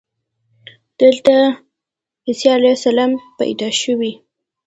دلته عیسی علیه السلام پیدا شوی.